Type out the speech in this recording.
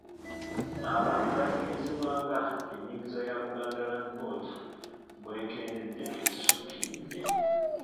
Abaami baategeezebbwa nga ennyingiza ya Buganda Land Board bw'ekendedde ekisukkiridde.